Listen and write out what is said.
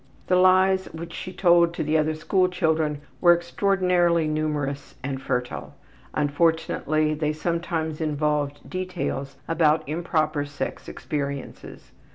The lies which she told to the other school children were extraordinarily numerous and fertile; unfortunately they sometimes involved details about improper sex experiences.